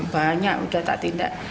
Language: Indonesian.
banyak yang sudah tak tindak